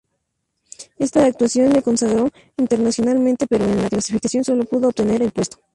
Esta actuación le consagró internacionalmente pero en la clasificación solo pudo obtener el puesto.